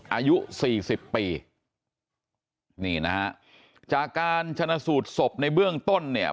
อายุ๔๐ปีจากการชนสูตรศพในเบื้องต้นเนี่ย